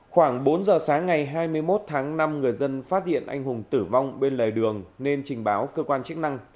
khoảng bốn giờ sáng ngày hai mươi một tháng năm người dân phát hiện anh hùng tử vong bên lề đường nên trình báo cơ quan chức năng